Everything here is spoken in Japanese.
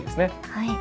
はい。